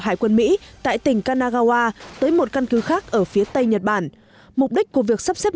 hải quân mỹ tại tỉnh kanagawa tới một căn cứ khác ở phía tây nhật bản mục đích của việc sắp xếp